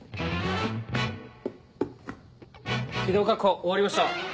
気道確保終わりました。